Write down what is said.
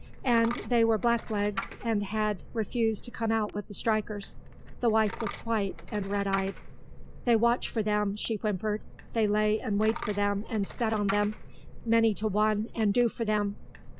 And they were blacklegs, and had refused to come out with the strikers. The wife was white, and red eyed. "They watch for them," she whimpered. "They lay and wait for them, and set on them, many to one, and do for them.